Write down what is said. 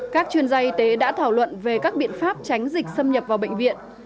các chuyên gia y tế đã thảo luận về các biện pháp tránh dịch xâm nhập vào bệnh viện